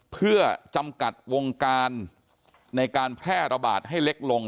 เพื่อจำกัดวงการในการแพร่ระบาดให้เล็กลง